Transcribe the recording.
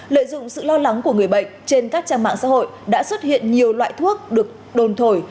lợi dụng sự lo lắng của người bệnh trên các trang mạng xã hội đã xuất hiện nhiều loại thuốc được đồn thổi